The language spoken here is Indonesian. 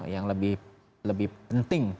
yang lebih penting